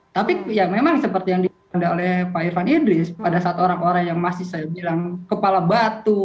tapi ya memang seperti yang dikatakan oleh pak irfan idris pada saat orang orang yang masih saya bilang kepala batu